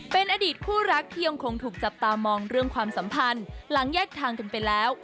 เป็นอดีตคู่รักที่ยังคงถูกจับตามองเรื่องความสัมพันธ์หลังแยกทางกันไปแล้ว